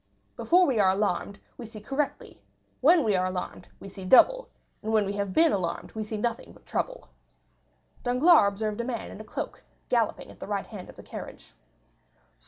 Before we are alarmed, we see correctly; when we are alarmed, we see double; and when we have been alarmed, we see nothing but trouble. Danglars observed a man in a cloak galloping at the right hand of the carriage.